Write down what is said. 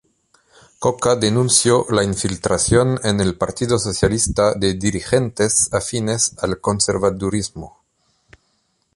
Coca denunció la infiltración en el Partido Socialista de dirigentes afines al conservadurismo.